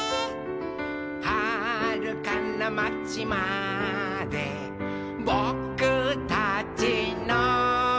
「はるかなまちまでぼくたちの」